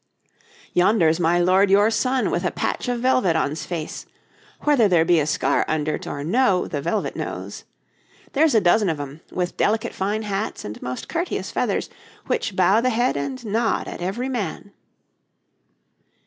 'Yonder's my lord your son with a patch of velvet on's face: whether there be a scar under't or no, the velvet knows.... There's a dozen of 'em, with delicate fine hats and most courteous feathers, which bow the head and nod at every man.'